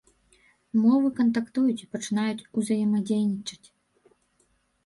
Мовы кантактуюць і пачынаюць узаемадзейнічаць.